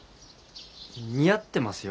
似合ってますよ